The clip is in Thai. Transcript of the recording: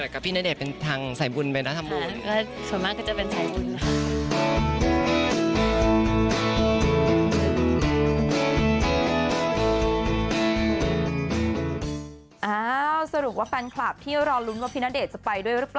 กับพี่ณเดชน์เป็นทางใส่บุญไปรัฐบุญค่ะ